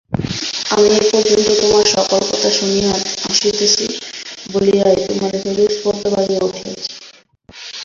আমি এ পর্যন্ত তোমার সকল কথা শুনিয়া আসিতেছি বলিয়াই তোমার এতদূর স্পর্ধা বাড়িয়া উঠিয়াছে?